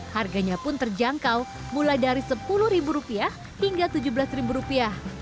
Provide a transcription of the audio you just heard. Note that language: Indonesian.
harganya pun terjangkau mulai dari sepuluh rupiah hingga tujuh belas rupiah